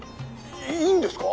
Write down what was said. いいいんですか？